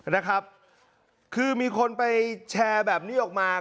นะครับคือมีคนไปแชร์แบบนี้ออกมา